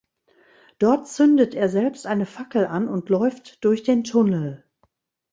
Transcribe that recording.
Dort zündet er selbst eine Fackel an und läuft durch den Tunnel.